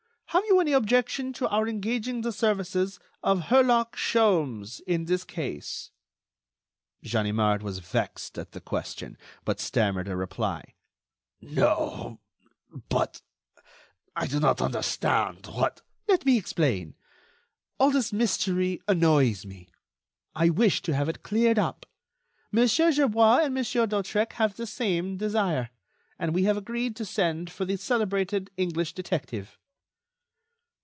Have you any objection to our engaging the services of Herlock Sholmes in this case?" Ganimard was vexed at the question, but stammered a reply: "No ... but ... I do not understand what——" "Let me explain. All this mystery annoys me. I wish to have it cleared up. Monsieur Gerbois and Monsieur d'Hautrec have the same desire, and we have agreed to send for the celebrated English detective."